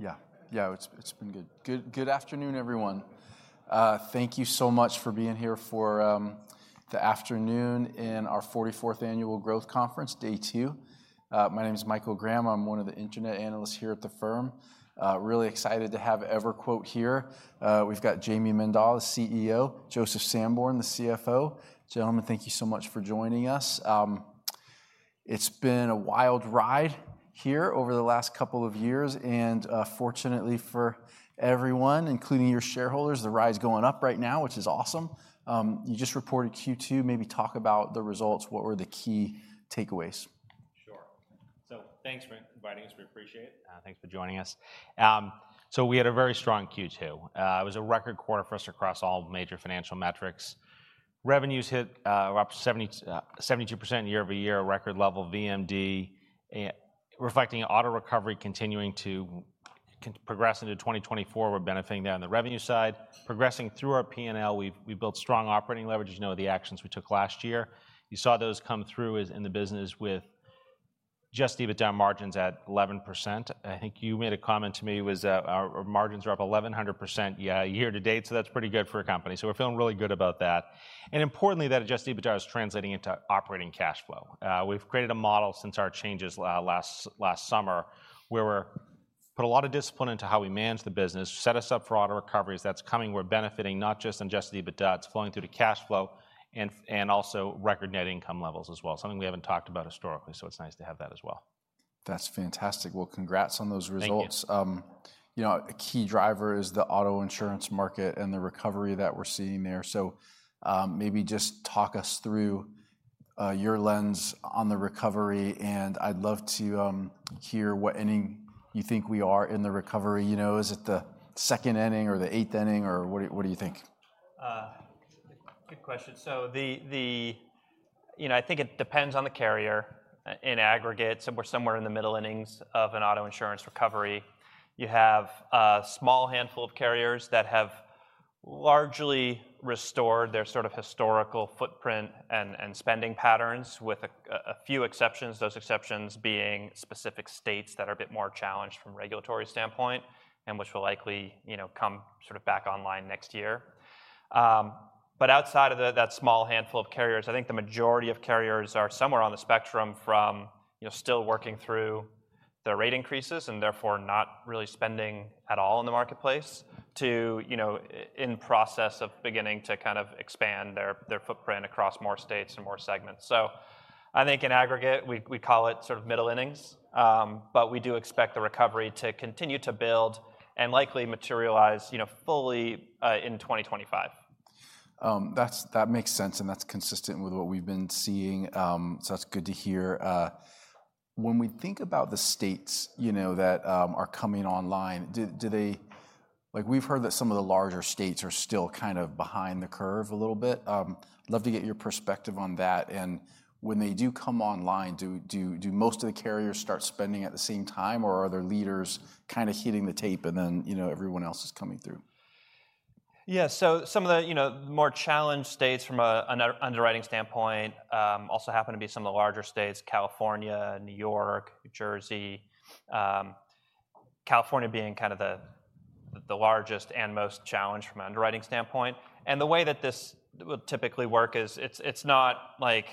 Yeah. Yeah, it's been good. Good afternoon, everyone. Thank you so much for being here for the afternoon in our 44th annual Growth Conference, day two. My name is Michael Graham. I'm one of the internet analysts here at the firm. Really excited to have EverQuote here. We've got Jayme Mendal, the CEO, Joseph Sanborn, the CFO. Gentlemen, thank you so much for joining us. It's been a wild ride here over the last couple of years, and fortunately for everyone, including your shareholders, the ride's going up right now, which is awesome. You just reported Q2, maybe talk about the results. What were the key takeaways? Sure. Thanks for inviting us. We appreciate it. Thanks for joining us. So we had a very strong Q2. It was a record quarter for us across all major financial metrics. Revenues hit up 72% year-over-year, a record level VMD reflecting auto recovery continuing to progress into 2024. We're benefiting that on the revenue side. Progressing through our P&L, we've built strong operating leverage, as you know, the actions we took last year. You saw those come through as in the business with adjusted EBITDA margins at 11%. I think you made a comment to me, was that our margins are up 1,100%, yeah, year to date, so that's pretty good for a company. So we're feeling really good about that, and importantly, that adjusted EBITDA is translating into operating cash flow. We've created a model since our changes last summer, where we put a lot of discipline into how we manage the business, set us up for auto recoveries that's coming. We're benefiting not just in Adjusted EBITDA, it's flowing through the cash flow and also record net income levels as well. Something we haven't talked about historically, so it's nice to have that as well. That's fantastic. Well, congrats on those results. Thank you. You know, a key driver is the auto insurance market and the recovery that we're seeing there. So, maybe just talk us through, your lens on the recovery, and I'd love to, hear what inning you think we are in the recovery. You know, is it the second inning or the eighth inning, or what do you, what do you think? Good question. So, you know, I think it depends on the carrier. In aggregate, somewhere in the middle innings of an auto insurance recovery, you have a small handful of carriers that have largely restored their sort of historical footprint and spending patterns with a few exceptions. Those exceptions being specific states that are a bit more challenged from a regulatory standpoint, and which will likely, you know, come sort of back online next year. But outside of that small handful of carriers, I think the majority of carriers are somewhere on the spectrum from, you know, still working through their rate increases and therefore, not really spending at all in the marketplace, to, you know, in process of beginning to kind of expand their footprint across more states and more segments. I think in aggregate, we call it sort of middle innings, but we do expect the recovery to continue to build and likely materialize, you know, fully, in 2025. That makes sense, and that's consistent with what we've been seeing. So that's good to hear. When we think about the states, you know, that are coming online, do they... Like, we've heard that some of the larger states are still kind of behind the curve a little bit. Love to get your perspective on that, and when they do come online, do most of the carriers start spending at the same time, or are there leaders kind of hitting the tape, and then, you know, everyone else is coming through? Yeah. So some of the, you know, more challenged states from a underwriting standpoint, also happen to be some of the larger states, California, New York, New Jersey. California being kind of the largest and most challenged from an underwriting standpoint. And the way that this would typically work is it's not like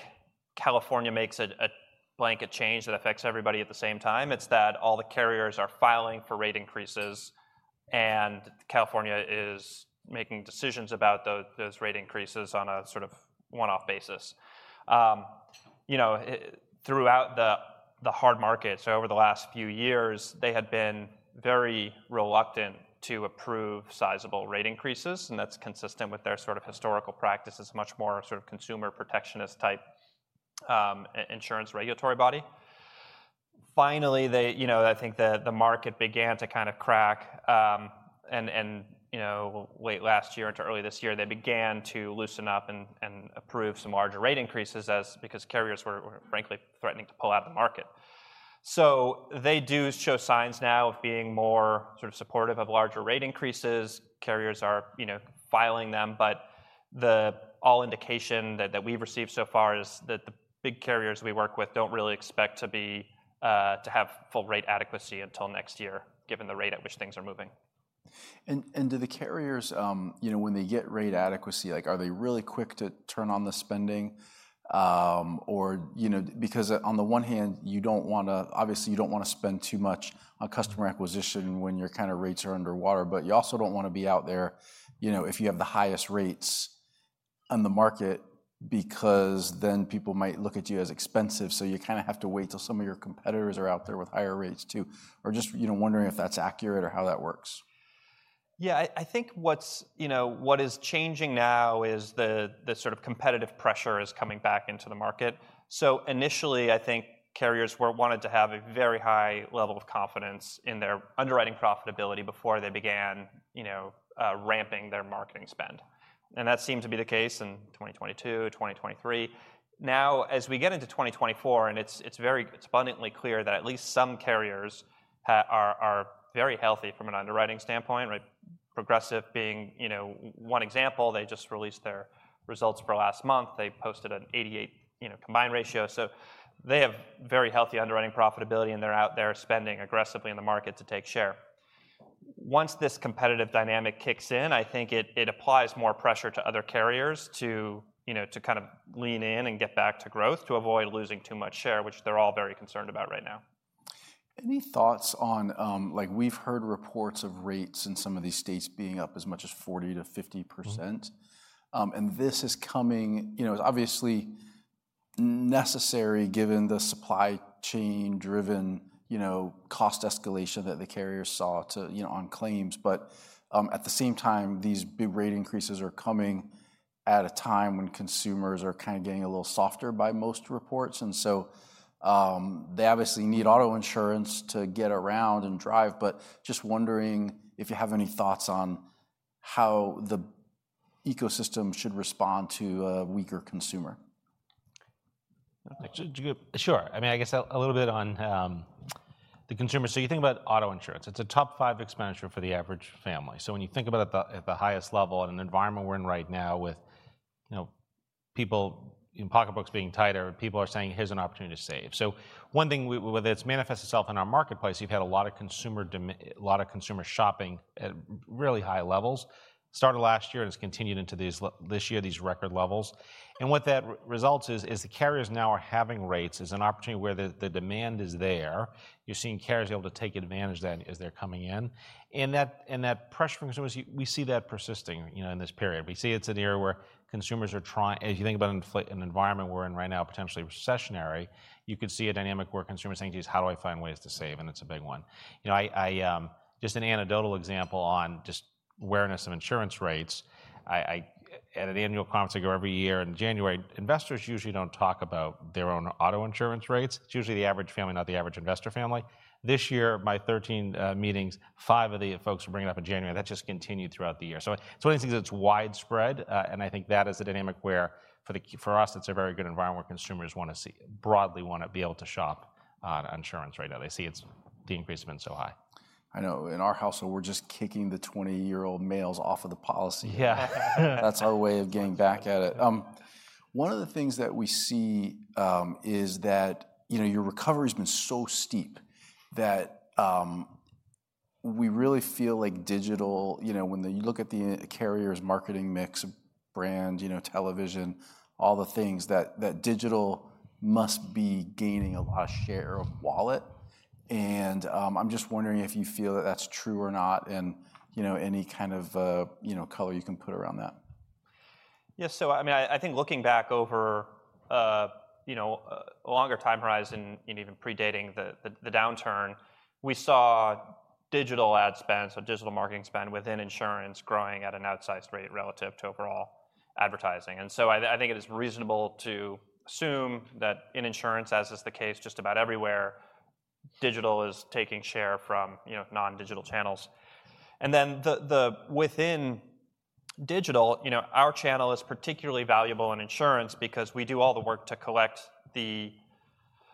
California makes a blanket change that affects everybody at the same time. It's that all the carriers are filing for rate increases, and California is making decisions about those rate increases on a sort of one-off basis. You know, throughout the hard market, so over the last few years, they had been very reluctant to approve sizable rate increases, and that's consistent with their sort of historical practice as much more sort of consumer protectionist type insurance regulatory body. Finally, they, you know, I think the market began to kind of crack, and, you know, late last year into early this year, they began to loosen up and approve some larger rate increases because carriers were frankly threatening to pull out of the market. So they do show signs now of being more sort of supportive of larger rate increases. Carriers are, you know, filing them, but all indications that we've received so far is that the big carriers we work with don't really expect to have full rate adequacy until next year, given the rate at which things are moving. Do the carriers, you know, when they get rate adequacy, like, are they really quick to turn on the spending? Or, you know, because on the one hand, you don't want to-- obviously, you don't want to spend too much on customer acquisition when your kind of rates are under water, but you also don't want to be out there, you know, if you have the highest rates on the market, because then people might look at you as expensive. So you kind of have to wait till some of your competitors are out there with higher rates, too. Or just, you know, wondering if that's accurate or how that works. Yeah, I think what's, you know, what is changing now is the sort of competitive pressure is coming back into the market. So initially, I think carriers wanted to have a very high level of confidence in their underwriting profitability before they began, you know, ramping their marketing spend, and that seemed to be the case in 2022, 2023. Now, as we get into 2024, and it's abundantly clear that at least some carriers are very healthy from an underwriting standpoint, right? Progressive being, you know, one example. They just released their results for last month. They posted an 88, you know, combined ratio. So they have very healthy underwriting profitability, and they're out there spending aggressively in the market to take share. Once this competitive dynamic kicks in, I think it, it applies more pressure to other carriers to, you know, to kind of lean in and get back to growth to avoid losing too much share, which they're all very concerned about right now. Any thoughts on, like, we've heard reports of rates in some of these states being up as much as 40%-50%? And this is coming, you know, it's obviously necessary, given the supply chain-driven, you know, cost escalation that the carriers saw to, you know, on claims. But, at the same time, these big rate increases are coming at a time when consumers are kind of getting a little softer by most reports. And so, they obviously need auto insurance to get around and drive, but just wondering if you have any thoughts on how the ecosystem should respond to a weaker consumer? Sure. I mean, I guess a little bit on the consumer. So you think about auto insurance. It's a top five expenditure for the average family. So when you think about it at the highest level, in the environment we're in right now with, you know, people, you know, pocketbooks being tighter, people are saying, "Here's an opportunity to save." So one thing whether it's manifested itself in our marketplace, you've had a lot of consumer shopping at really high levels. Started last year, and it's continued into this year, these record levels. And what that results is the carriers now are halving rates. It's an opportunity where the demand is there. You're seeing carriers able to take advantage of that as they're coming in, and that, and that pressure from consumers, we see that persisting, you know, in this period. We see it's an area where consumers are trying... If you think about an environment we're in right now, potentially recessionary, you could see a dynamic where a consumer is saying, "Geez, how do I find ways to save?" And it's a big one. You know, I just an anecdotal example on just awareness of insurance rates. I at an annual conference I go every year in January, investors usually don't talk about their own auto insurance rates. It's usually the average family, not the average investor family. This year, my 13 meetings, 5 of the folks were bringing up in January. That just continued throughout the year. So, I think it's widespread, and I think that is the dynamic where for us, it's a very good environment where consumers broadly want to be able to shop on insurance right now. They see it's... The increase has been so high. I know. In our household, we're just kicking the 20-year-old males off of the policy. Yeah. That's our way of getting back at it. One of the things that we see is that, you know, your recovery's been so steep that, we really feel like digital, you know, when you look at the carrier's marketing mix, brand, you know, television, all the things, that, that digital must be gaining a lot of share of wallet, and, I'm just wondering if you feel that that's true or not, and, you know, any kind of, you know, color you can put around that. Yeah. So I mean, I think looking back over, you know, a longer time horizon and even predating the downturn, we saw digital ad spend, so digital marketing spend within insurance, growing at an outsized rate relative to overall advertising. And so I think it is reasonable to assume that in insurance, as is the case just about everywhere, digital is taking share from, you know, non-digital channels. And then within digital, you know, our channel is particularly valuable in insurance because we do all the work to collect the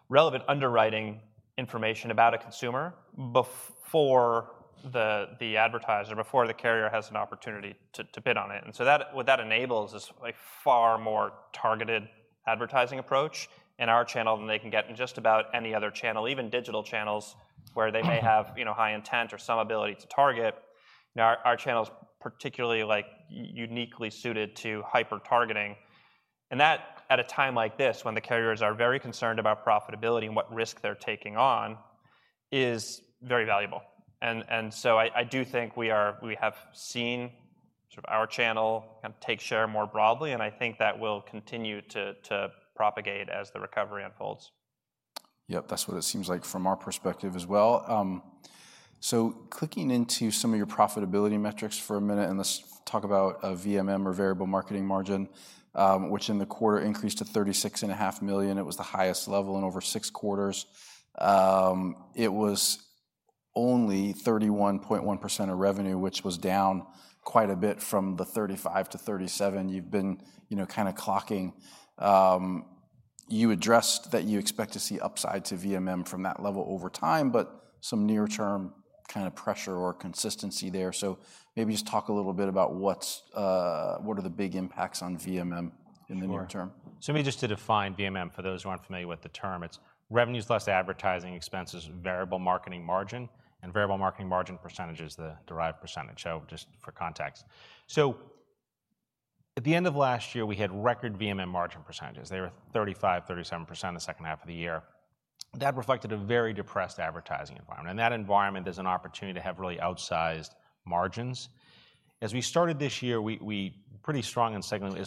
relevant underwriting information about a consumer before the advertiser, before the carrier has an opportunity to bid on it. And so what that enables is a far more targeted advertising approach in our channel than they can get in just about any other channel, even digital channels, where they may have you know, high intent or some ability to target. You know, our channel's particularly like uniquely suited to hyper targeting, and that at a time like this, when the carriers are very concerned about profitability and what risk they're taking on, is very valuable. And so I do think we have seen sort of our channel kind of take share more broadly, and I think that will continue to propagate as the recovery unfolds. Yep, that's what it seems like from our perspective as well. So clicking into some of your profitability metrics for a minute, and let's talk about VMM or variable marketing margin, which in the quarter increased to $36.5 million. It was the highest level in over 6 quarters. It was only 31.1% of revenue, which was down quite a bit from the 35%-37% you've been, you know, kind of clocking. You addressed that you expect to see upside to VMM from that level over time, but some near-term kind of pressure or consistency there. So maybe just talk a little bit about what's the big impacts on VMM in the near term? So let me just to define VMM for those who aren't familiar with the term. It's revenues less advertising expenses, variable marketing margin, and variable marketing margin percentage is the derived percentage, so just for context. So at the end of last year, we had record VMM margin percentages. They were 35, 37% the second half of the year. That reflected a very depressed advertising environment, and that environment, there's an opportunity to have really outsized margins. As we started this year, we pretty strong and secondly,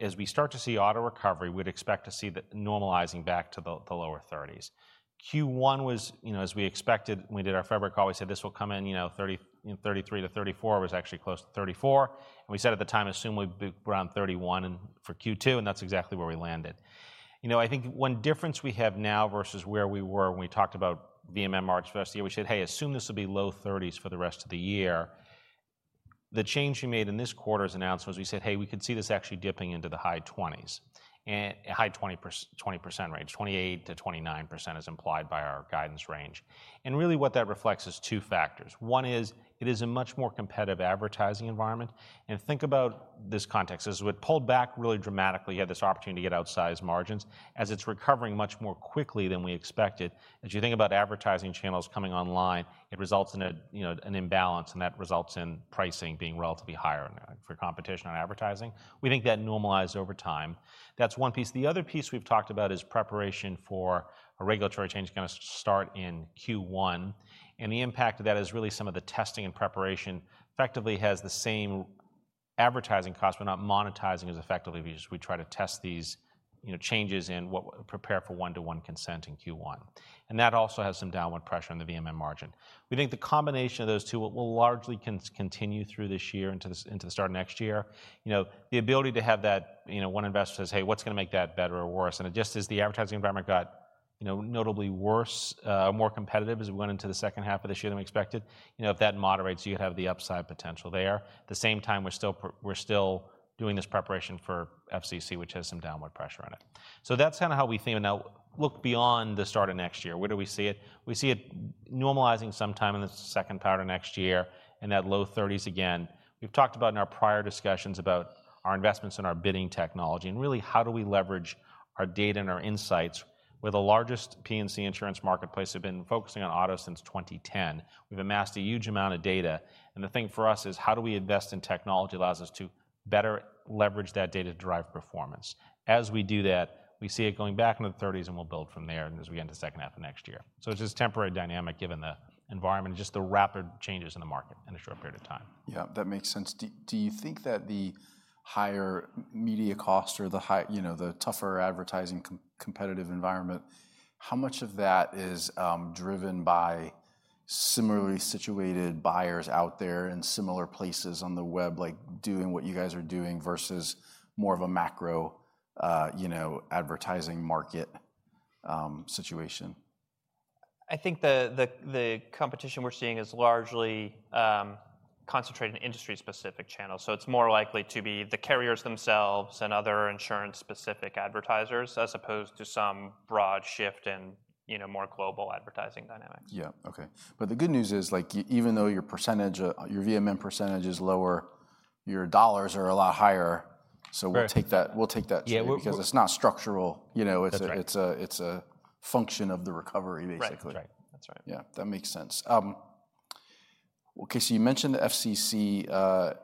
as we start to see auto recovery, we'd expect to see the normalizing back to the lower 30s. Q1 was, you know, as we expected, when we did our February call, we said, "This will come in, you know, 33-34." It was actually close to 34, and we said at the time, assume we'd be around 31 for Q2, and that's exactly where we landed. You know, I think one difference we have now versus where we were when we talked about VMM margin last year, we said: Hey, assume this will be low 30s for the rest of the year. The change we made in this quarter's announcement was, we said: Hey, we could see this actually dipping into the high 20s, and high 20% range, 28%-29% is implied by our guidance range... and really what that reflects is two factors. One is, it is a much more competitive advertising environment. Think about this context, as we pulled back really dramatically, we had this opportunity to get outsized margins, as it's recovering much more quickly than we expected. As you think about advertising channels coming online, it results in a, you know, an imbalance, and that results in pricing being relatively higher now for competition on advertising. We think that normalized over time. That's one piece. The other piece we've talked about is preparation for a regulatory change, gonna start in Q1, and the impact of that is really some of the testing and preparation effectively has the same advertising cost, but not monetizing as effectively because we try to test these, you know, changes in what prepare for one-to-one consent in Q1. That also has some downward pressure on the VMM margin. We think the combination of those two will largely continue through this year into the start of next year. You know, the ability to have that, you know, one investor says: "Hey, what's gonna make that better or worse?" And it just as the advertising environment got, you know, notably worse, more competitive as we went into the second half of this year than we expected, you know, if that moderates, you have the upside potential there. At the same time, we're still doing this preparation for FCC, which has some downward pressure on it. So that's kinda how we think. Now, look beyond the start of next year, where do we see it? We see it normalizing sometime in the second quarter next year, in that low thirties again. We've talked about in our prior discussions about our investments in our bidding technology, and really, how do we leverage our data and our insights? We're the largest P&C insurance marketplace. We've been focusing on auto since 2010. We've amassed a huge amount of data, and the thing for us is, how do we invest in technology that allows us to better leverage that data to drive performance? As we do that, we see it going back into the 30s, and we'll build from there and as we end the second half of next year. So it's just temporary dynamic, given the environment, just the rapid changes in the market in a short period of time. Yeah, that makes sense. Do you think that the higher media costs or the higher, you know, the tougher advertising competitive environment, how much of that is driven by similarly situated buyers out there in similar places on the web, like, doing what you guys are doing versus more of a macro, you know, advertising market situation? I think the competition we're seeing is largely concentrated in industry-specific channels. So it's more likely to be the carriers themselves and other insurance-specific advertisers, as opposed to some broad shift in, you know, more global advertising dynamics. Yeah. Okay. But the good news is, like, even though your percentage, your VMM percentage is lower, your dollars are a lot higher. Right. So we'll take that— Yeah, we- Because it's not structural, you know? That's right. It's a function of the recovery, basically. Right. Right. That's right. Yeah, that makes sense. Okay, so you mentioned the FCC,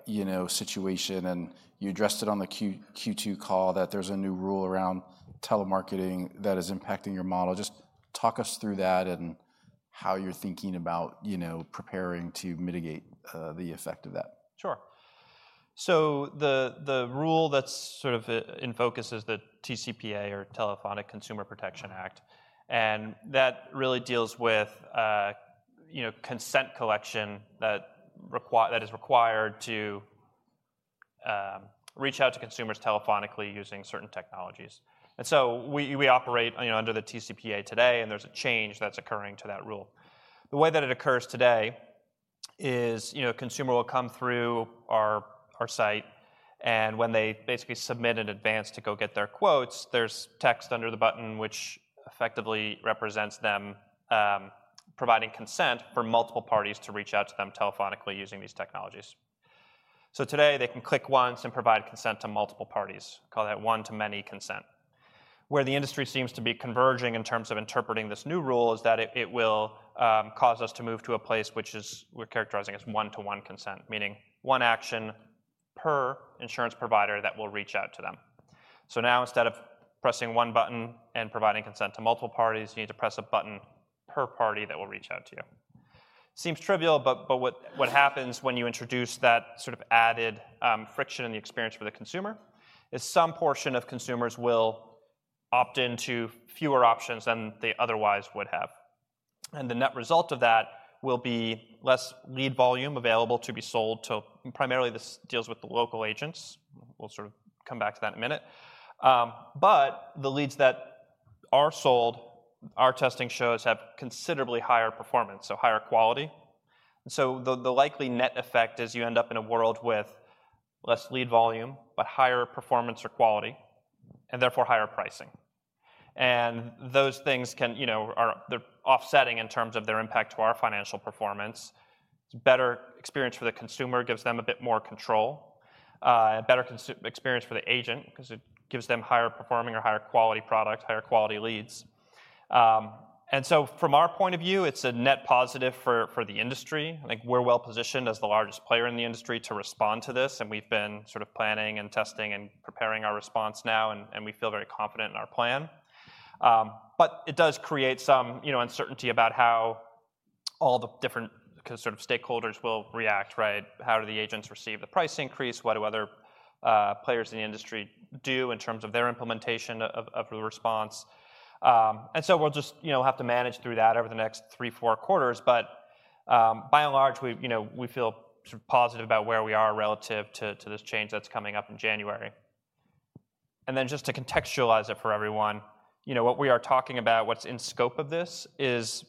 you know, situation, and you addressed it on the Q2 call, that there's a new rule around telemarketing that is impacting your model. Just talk us through that and how you're thinking about, you know, preparing to mitigate the effect of that. Sure. So the rule that's sort of in focus is the TCPA or Telephone Consumer Protection Act, and that really deals with, you know, consent collection that is required to reach out to consumers telephonically using certain technologies. And so we operate, you know, under the TCPA today, and there's a change that's occurring to that rule. The way that it occurs today is, you know, a consumer will come through our site, and when they basically submit in advance to go get their quotes, there's text under the button, which effectively represents them providing consent for multiple parties to reach out to them telephonically using these technologies. So today, they can click once and provide consent to multiple parties. Call that one-to-many consent. Where the industry seems to be converging in terms of interpreting this new rule is that it will cause us to move to a place which is we're characterizing as one-to-one consent, meaning one action per insurance provider that will reach out to them. So now, instead of pressing one button and providing consent to multiple parties, you need to press a button per party that will reach out to you. Seems trivial, but what happens when you introduce that sort of added friction in the experience for the consumer? Is some portion of consumers will opt into fewer options than they otherwise would have. And the net result of that will be less lead volume available to be sold to... primarily, this deals with the local agents. We'll sort of come back to that in a minute. But the leads that are sold, our testing shows, have considerably higher performance, so higher quality. So the likely net effect is you end up in a world with less lead volume, but higher performance or quality, and therefore higher pricing. And those things can, you know, they're offsetting in terms of their impact to our financial performance. It's a better experience for the consumer, gives them a bit more control, a better consumer experience for the agent because it gives them higher performing or higher quality product, higher quality leads. And so from our point of view, it's a net positive for the industry. I think we're well-positioned as the largest player in the industry to respond to this, and we've been sort of planning and testing and preparing our response now, and we feel very confident in our plan. But it does create some, you know, uncertainty about how all the different sort of stakeholders will react, right? How do the agents receive the price increase? What do other players in the industry do in terms of their implementation of the response? And so we'll just, you know, have to manage through that over the next 3-4 quarters. But by and large, we, you know, we feel sort of positive about where we are relative to this change that's coming up in January. And then just to contextualize it for everyone, you know, what we are talking about, what's in scope of this is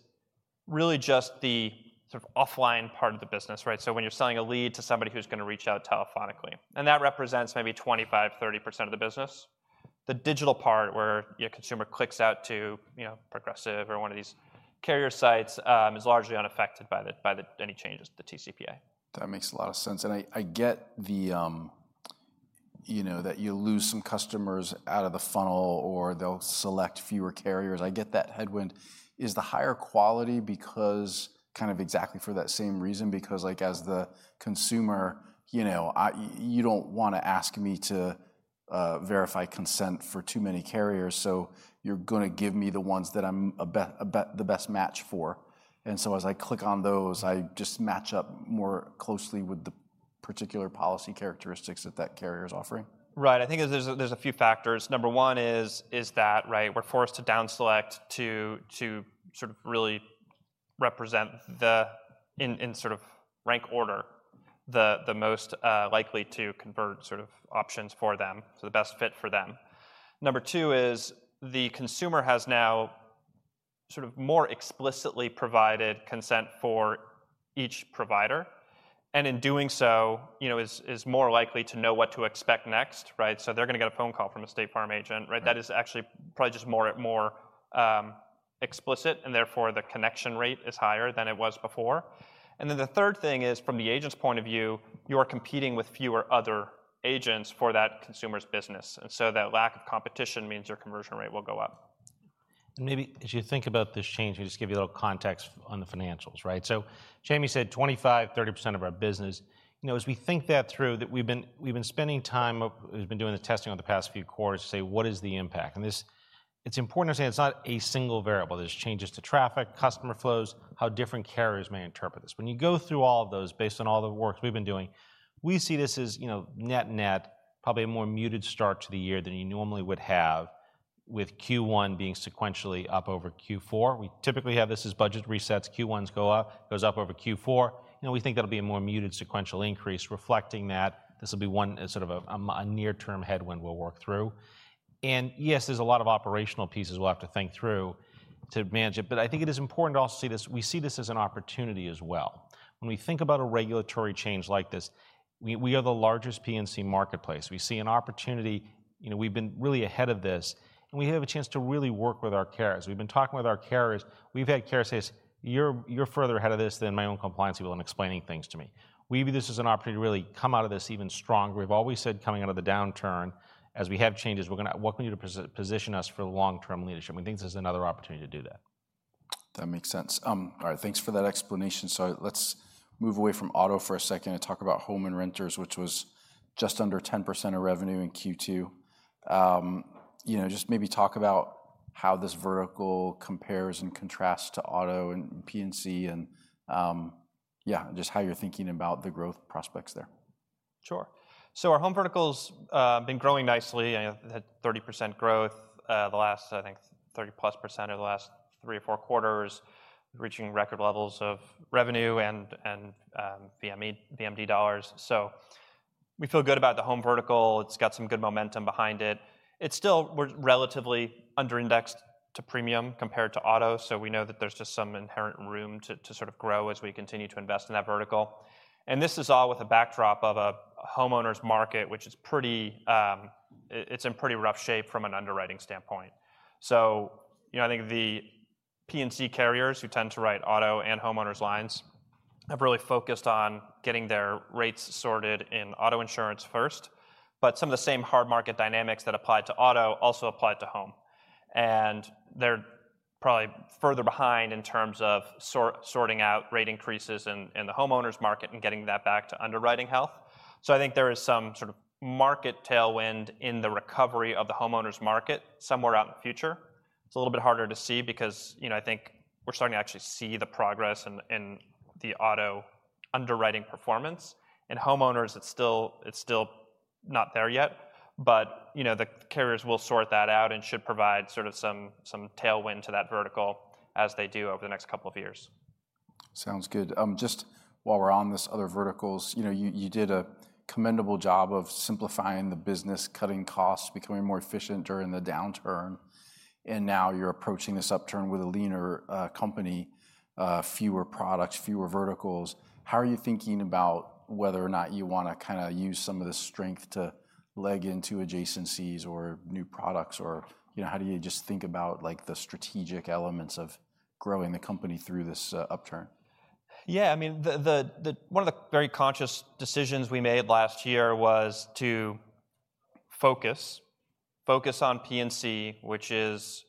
really just the sort of offline part of the business, right? So when you're selling a lead to somebody who's gonna reach out telephonically, and that represents maybe 25%-30% of the business. The digital part where your consumer clicks out to, you know, Progressive or one of these carrier sites, is largely unaffected by any changes to the TCPA. That makes a lot of sense, and I get the, you know, that you lose some customers out of the funnel or they'll select fewer carriers. I get that headwind. Is the higher quality because kind of exactly for that same reason? Because, like, as the consumer, you know, you don't want to ask me to verify consent for too many carriers, so you're gonna give me the ones that I'm the best match for, and so as I click on those, I just match up more closely with the particular policy characteristics that that carrier is offering? Right. I think there's a few factors. Number one is that, right, we're forced to down select to sort of really represent the... in sort of rank order, the most likely to convert sort of options for them, so the best fit for them. Number two is the consumer has now sort of more explicitly provided consent for each provider, and in doing so, you know, is more likely to know what to expect next, right? So they're gonna get a phone call from a State Farm agent, right? That is actually probably just more explicit, and therefore, the connection rate is higher than it was before. And then the third thing is, from the agent's point of view, you are competing with fewer other agents for that consumer's business, and so that lack of competition means your conversion rate will go up. And maybe as you think about this change, we just give you a little context on the financials, right? So Jayme said 25%-30% of our business. You know, as we think that through, that we've been, we've been spending time—we've been doing the testing over the past few quarters to say: what is the impact? And this—it's important to say it's not a single variable. There's changes to traffic, customer flows, how different carriers may interpret this. When you go through all of those, based on all the work we've been doing, we see this as, you know, net, net, probably a more muted start to the year than you normally would have, with Q1 being sequentially up over Q4. We typically have this as budget resets. Q1s go up, goes up over Q4. You know, we think that'll be a more muted sequential increase, reflecting that this will be one, sort of a near-term headwind we'll work through. Yes, there's a lot of operational pieces we'll have to think through to manage it, but I think it is important to also see this, we see this as an opportunity as well. When we think about a regulatory change like this, we are the largest P&C marketplace. We see an opportunity. You know, we've been really ahead of this, and we have a chance to really work with our carriers. We've been talking with our carriers. We've had carriers say, "You're further ahead of this than my own compliance people in explaining things to me." We view this as an opportunity to really come out of this even stronger. We've always said coming out of the downturn, as we have changes, we're gonna... We're going to position us for the long-term leadership. We think this is another opportunity to do that. That makes sense. All right, thanks for that explanation. So let's move away from auto for a second and talk about home and renters, which was just under 10% of revenue in Q2. You know, just maybe talk about how this vertical compares and contrasts to auto and P&C, and, yeah, just how you're thinking about the growth prospects there. Sure. So our home vertical's been growing nicely and had 30% growth the last, I think, 30+% over the last 3 or 4 quarters, reaching record levels of revenue and VMD dollars. So we feel good about the home vertical. It's got some good momentum behind it. It's still we're relatively under-indexed to premium compared to auto, so we know that there's just some inherent room to sort of grow as we continue to invest in that vertical. And this is all with the backdrop of a homeowner's market, which is pretty it's in pretty rough shape from an underwriting standpoint. So, you know, I think the P&C carriers, who tend to write auto and homeowners' lines, have really focused on getting their rates sorted in auto insurance first. But some of the same hard market dynamics that applied to auto also applied to home, and they're probably further behind in terms of sorting out rate increases in the homeowners market and getting that back to underwriting health. So I think there is some sort of market tailwind in the recovery of the homeowners market somewhere out in the future. It's a little bit harder to see because, you know, I think we're starting to actually see the progress in the auto underwriting performance. In homeowners, it's still not there yet, but, you know, the carriers will sort that out and should provide sort of some tailwind to that vertical as they do over the next couple of years. Sounds good. Just while we're on this other verticals, you know, you, you did a commendable job of simplifying the business, cutting costs, becoming more efficient during the downturn, and now you're approaching this upturn with a leaner, company, fewer products, fewer verticals. How are you thinking about whether or not you wanna kinda use some of the strength to leg into adjacencies or new products, or, you know, how do you just think about, like, the strategic elements of growing the company through this, upturn? Yeah, I mean, One of the very conscious decisions we made last year was to focus on P&C, which is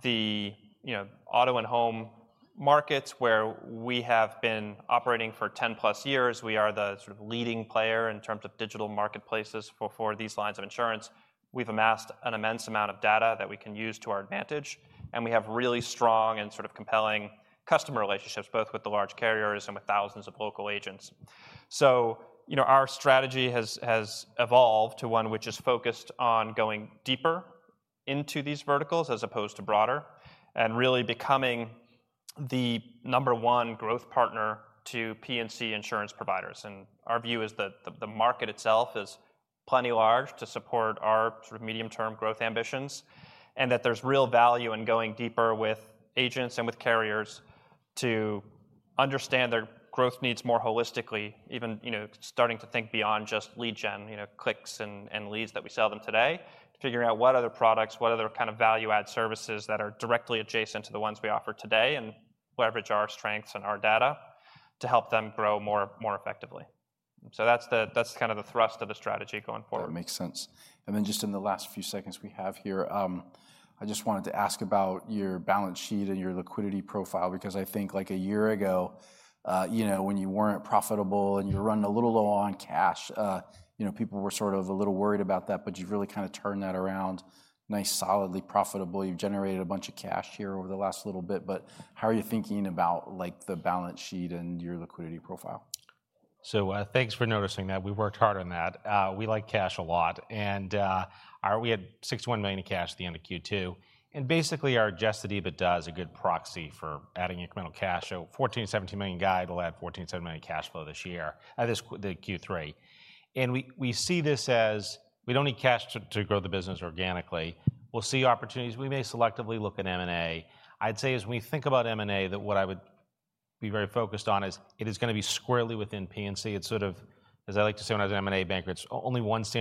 the, you know, auto and home markets, where we have been operating for 10+ years. We are the sort of leading player in terms of digital marketplaces for these lines of insurance. We've amassed an immense amount of data that we can use to our advantage, and we have really strong and sort of compelling customer relationships, both with the large carriers and with thousands of local agents. So, you know, our strategy has evolved to one which is focused on going deeper into these verticals, as opposed to broader, and really becoming the number one growth partner to P&C insurance providers. Our view is that the market itself is plenty large to support our sort of medium-term growth ambitions, and that there's real value in going deeper with agents and with carriers to understand their growth needs more holistically, even, you know, starting to think beyond just lead gen, you know, clicks and leads that we sell them today. Figuring out what other products, what other kind of value-add services that are directly adjacent to the ones we offer today and leverage our strengths and our data to help them grow more effectively. So that's kind of the thrust of the strategy going forward. That makes sense. And then just in the last few seconds we have here, I just wanted to ask about your balance sheet and your liquidity profile, because I think, like, a year ago, you know, when you weren't profitable and you were running a little low on cash, you know, people were sort of a little worried about that, but you've really kinda turned that around. Nice, solidly profitable. You've generated a bunch of cash here over the last little bit, but how are you thinking about, like, the balance sheet and your liquidity profile? So, thanks for noticing that. We worked hard on that. We like cash a lot, and we had $61 million in cash at the end of Q2, and basically, our Adjusted EBITDA is a good proxy for adding incremental cash. So $14-$17 million guide, we'll add $14-$17 million cash flow this year, this Q3. And we see this as we don't need cash to grow the business organically. We'll see opportunities. We may selectively look at M&A. I'd say, as we think about M&A, that what I would be very focused on is, it is gonna be squarely within P&C. It's sort of, as I like to say, when I was an M&A banker, it's only one standard-